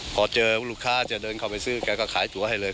พอเจอลูกค้าจะเดินเข้าไปซื้อแกก็ขายตัวให้เลย